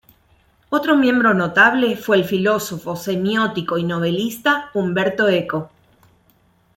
Otro miembro notable fue el filósofo, semiótico y novelista Umberto Eco.